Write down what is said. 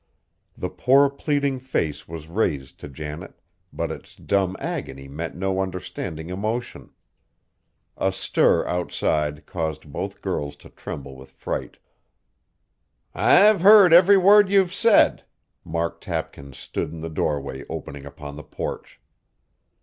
The poor, pleading face was raised to Janet, but its dumb agony met no understanding emotion. A stir outside caused both girls to tremble with fright. "I've heard every word you've said!" Mark Tapkins stood in the doorway opening upon the porch.